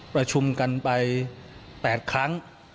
ประชุมกันไป๘ครั้ง